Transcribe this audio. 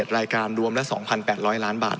รายการรวมละ๒๘๐๐ล้านบาท